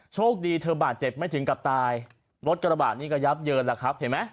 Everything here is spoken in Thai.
โชคดีเธอบาดเจ็บไม่ถึงกับตายรถกระบะนี่ก็ยับเยินแล้วครับเห็นไหม